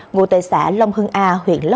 ngụ tệ xã long hưng a huyện lê